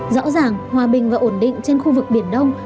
rõ ràng hòa bình và ổn định trên khu vực biển đông